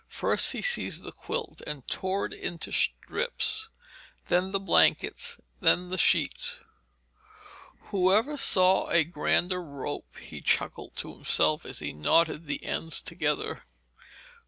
First he seized the quilt and tore it into strips, then the blankets, then the sheets. 'Whoever saw a grander rope?' he chuckled to himself as he knotted the ends together.